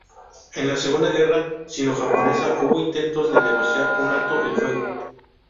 En la Segunda guerra sino-japonesa hubo intentos de negociar un Alto el fuego.